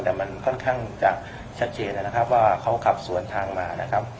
แต่มันค่อนข้างจะชัดเจนนะครับว่าเขาขับสวนทางมานะครับ